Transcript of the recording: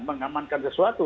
dia menangani sesuatu